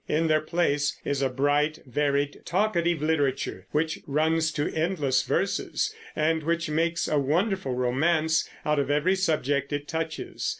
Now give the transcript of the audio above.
In their place is a bright, varied, talkative literature, which runs to endless verses, and which makes a wonderful romance out of every subject it touches.